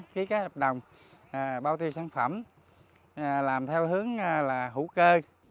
ký các hợp đồng bao tiêu sản phẩm làm theo hướng là hữu cơ